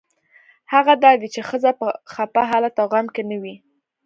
هغه دا دی چې ښځه په خپه حالت او غم کې نه وي.